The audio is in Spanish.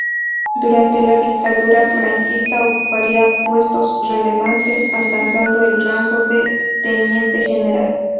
Durante la Dictadura franquista ocuparía puestos relevantes, alcanzando el rango de teniente general.